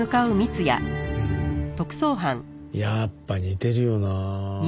やっぱ似てるよなあ。